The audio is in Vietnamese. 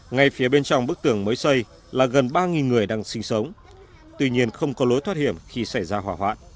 ngay phía bên trong bức tường mới xây là gần ba người đang sinh sống tuy nhiên không có lối thoát hiểm khi xảy ra hỏa hoạn